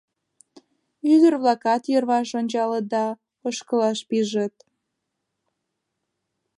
Ӱдыр-влакат йырваш ончалыт да ошкылаш пижыт.